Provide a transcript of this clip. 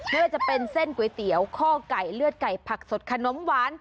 ไม่ว่าจะเป็นเส้นก๋วยเตี๋ยวข้อไก่เลือดไก่ผักสดขนมหวาน